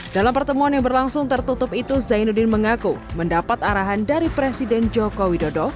dalam pertemuan yang berlangsung tertutup itu zainuddin mengaku mendapat arahan dari presiden joko widodo